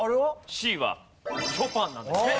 Ｃはショパンなんですね。